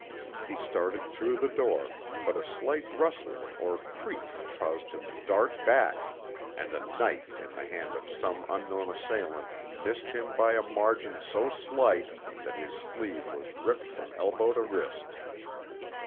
He started through the door, but a slight rustling or creak caused him to dart back, and a knife in the hand of some unknown assailant missed him by a margin so slight that his sleeve was ripped from elbow to wrist.